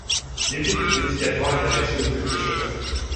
L'épître dédicatoire est adressée au duc de Chevreuse.